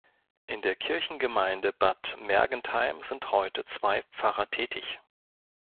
In der Kirchengemeinde Bad Mergentheim sind heute zwei Pfarrer tätig.